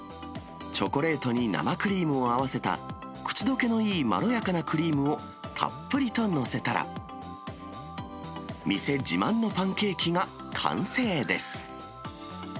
チョコレートに生クリームを合わせた、口どけのいいまろやかなクリームを、たっぷりと載せたら、店自慢のパンケーキが完成です。